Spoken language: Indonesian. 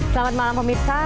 selamat malam pemirsa